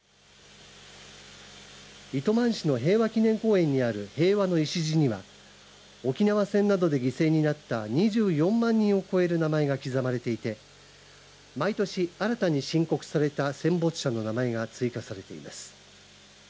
糸満市の平和祈念公園にある平和の礎には沖縄戦などで犠牲になった２４万人を超える名前が刻まれていて毎年、新たに申告された戦没者の名前が追加されています。